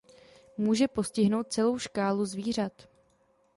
Může postihnout celou škálu zvířat.